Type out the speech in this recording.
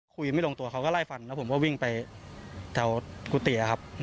ไม่ลงตัวเขาก็ไล่ฟันแล้วผมก็วิ่งไปแถวกุฏิครับ